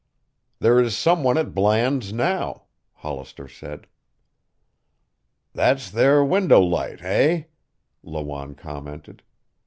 "There is some one at Bland's now," Hollister said. "That's their window light, eh?" Lawanne commented.